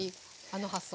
あの発想。